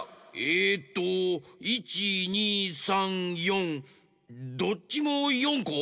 えっと１２３４どっちも４こ？